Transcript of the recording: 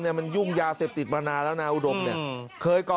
มันยุ่งยาเสพติดมานานแล้วนะอุดมเนี่ยเคยก่อ